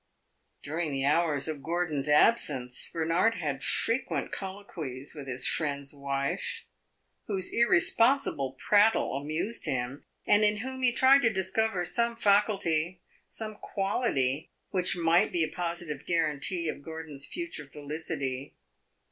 During the hours of Gordon's absence, Bernard had frequent colloquies with his friend's wife, whose irresponsible prattle amused him, and in whom he tried to discover some faculty, some quality, which might be a positive guarantee of Gordon's future felicity.